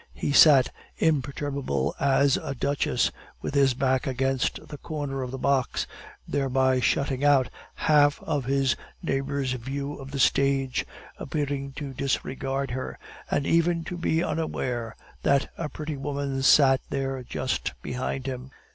He sat imperturbable as a duchess with his back against the corner of the box, thereby shutting out half of his neighbor's view of the stage, appearing to disregard her, and even to be unaware that a pretty woman sat there just behind him.